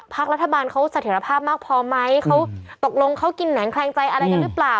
รัฐบาลเขาเสถียรภาพมากพอไหมเขาตกลงเขากินหนังแคลงใจอะไรกันหรือเปล่า